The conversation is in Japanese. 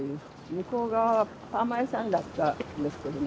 向こう側はパーマ屋さんだったんですけどね。